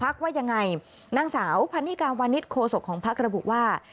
ภักดิ์ว่ายังไงนางสาวพันธิกาวานิทโคโสกของภักดิ์ระบุว่า